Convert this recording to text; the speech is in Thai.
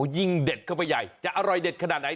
ยิ่งเด็ดเข้าไปใหญ่จะอร่อยเด็ดขนาดไหน